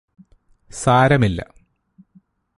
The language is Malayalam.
സാരമില്ല